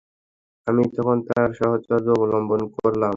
আমি তখন তার সাহচর্য অবলম্বন করলাম।